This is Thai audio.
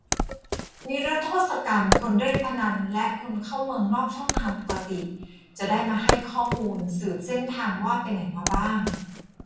นิรโทษกรรม คนเล่นพนันและคนเข้าเมืองนอกช่องทางปกติ - จะได้มาให้ข้อมูล สืบเส้นทางว่าไปไหนมาบ้าง